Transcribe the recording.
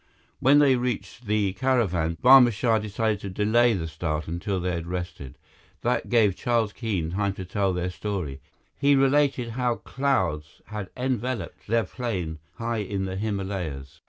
When they reached the caravan, Barma Shah decided to delay the start until they had rested. That gave Charles Keene time to tell their story. He related how clouds had enveloped their plane high in the Himalayas.